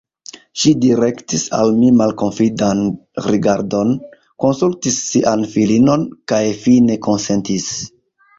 Ŝi direktis al mi malkonfidan rigardon, konsultis sian filinon, kaj fine konsentis.